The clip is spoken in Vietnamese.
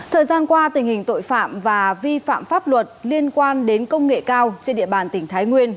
thời gian qua tình hình tội phạm và vi phạm pháp luật liên quan đến công nghệ cao trên địa bàn tỉnh thái nguyên